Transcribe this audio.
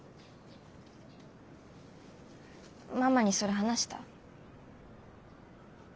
ママにそれ話した？